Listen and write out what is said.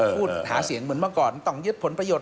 พูดหาเสียงเหมือนเมื่อก่อนต้องยึดผลประโยชน